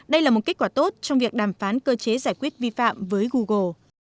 đây là một kết quả tốt trong việc đàm phán cơ chế giải quyết vi phạm với google